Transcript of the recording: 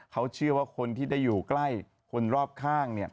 เขาเชื่อว่าคนที่ได้อยู่ใกล้คนรอบข้าง